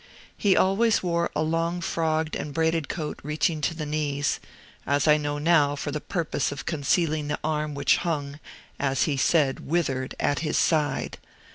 He always wore a long frogged and braided coat reaching to the knees as I now know, for the purpose of concealing the arm which hung (as he said, withered) at his side.